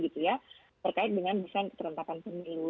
terkait dengan desain keterentapan pemilu